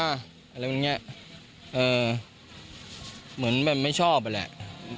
อะไรแบบนี้เออเหมือนไม่ชอบอะแหละ